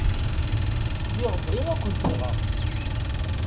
Lliɣ bɣiɣ ad kent-nɣeɣ.